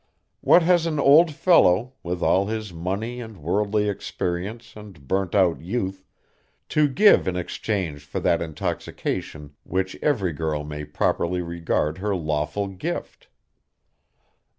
What has an old fellow, with all his money and worldly experience and burnt out youth, to give in exchange for that intoxication which every girl may properly regard her lawful gift?